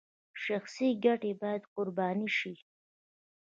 شخصي ګټې باید قرباني شي